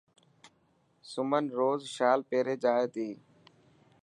سمن روز شال پيري جائي تي.